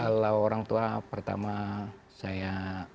kalau orang tua pertama saya